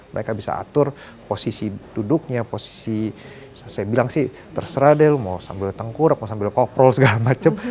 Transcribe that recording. mereka bisa atur posisi duduknya posisi saya bilang sih terserah deh mau sambil tengkurap mau sambil koprol segala macam